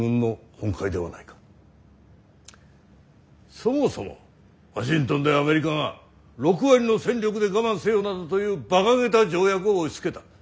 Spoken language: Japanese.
そもそもワシントンでアメリカが「６割の戦力で我慢せよ」などというばかげた条約を押しつけた。